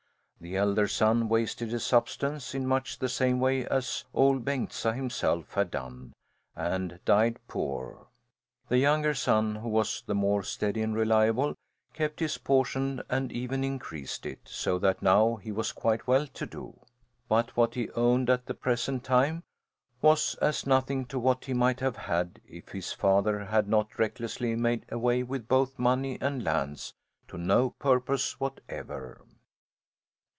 The elder son wasted his substance in much the same way as Ol' Bengtsa himself had done, and died poor. The younger son, who was the more steady and reliable, kept his portion and even increased it, so that now he was quite well to do. But what he owned at the present time was as nothing to what he might have had if his father had not recklessly made away with both money and lands, to no purpose whatever.